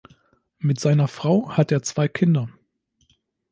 Mit seiner Frau hat er zwei Kinder.